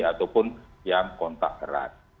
ataupun yang kontak erat